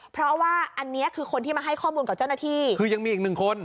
เพราะว่าอันนี้คือคนที่มาให้ข้อมูลกับเจ้าหน้าที่คือยังมีอีกหนึ่งคน